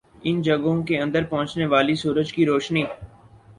ان جگہوں کے اندر پہنچنے والی سورج کی روشنی